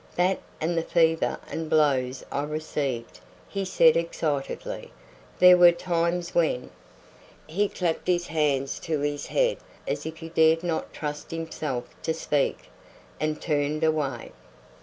That and the fever and blows I received," he said excitedly. "There were times when " He clapped his hands to his head as if he dared not trust himself to speak, and turned away.